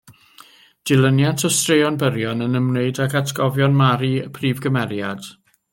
Dilyniant o straeon byrion yn ymwneud ag atgofion Mari, y prif gymeriad.